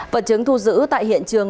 vật chứng thu giữ tại hiện trường